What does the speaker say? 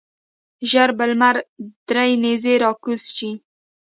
ژر به لمر درې نیزې راکوز شي.